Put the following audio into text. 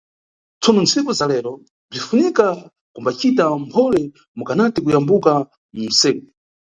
Tsono ntsiku za lero, bzinʼfunika kumbacita mphole mukanati kuyambuka nʼsewu.